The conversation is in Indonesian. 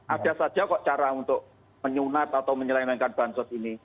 ada saja kok cara untuk menyunat atau menyelenengkan bahan sosial ini